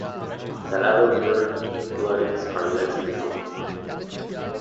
Salado River floodings are less usual.